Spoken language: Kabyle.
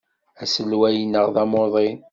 Aselway-nneɣ d amuḍin.